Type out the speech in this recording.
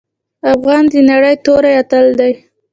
افغان د نرۍ توري اتل دی.